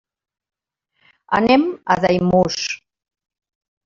Anem a Daimús.